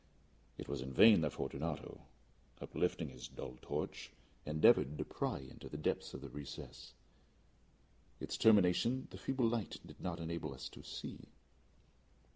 It was in vain that Fortunato, uplifting his dull torch, endeavoured to pry into the depth of the recess. Its termination the feeble light did not enable us to see.